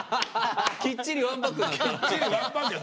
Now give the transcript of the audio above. きっちりワンパックなってる。